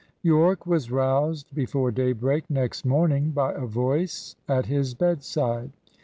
Yorke was roused before daybreak next morning by a voice at his bedside.